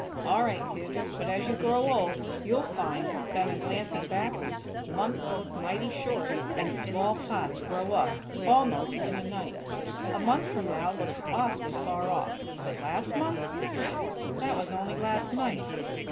"All right, kid; but as you grow old, you'll find that, in glancing backwards, months look mighty short; and small tots grow up, almost in a night. A month from now looks awfully far off; but last month? Pff! That was only last night!"